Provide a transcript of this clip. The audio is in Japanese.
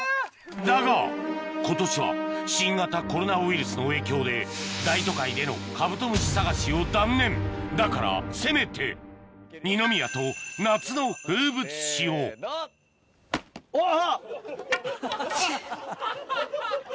だが今年は新型コロナウイルスの影響で大都会でのカブトムシ探しを断念だからせめて二宮と夏の風物詩をおっ！